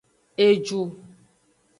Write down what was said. Eju.